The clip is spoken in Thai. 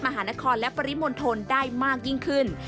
มหานครและปริมณฑลได้มากยิ่งขึ้น